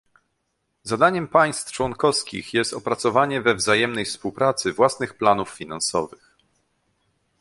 Zadaniem państw członkowskich jest opracowanie we wzajemnej współpracy własnych planów finansowych